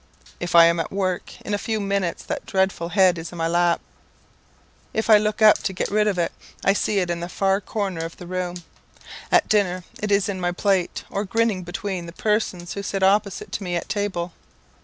If I am at work, in a few minutes that dreadful head is in my lap. If I look up to get rid of it, I see it in the far corner of the room. At dinner, it is in my plate, or grinning between the persons who sit opposite to me at table.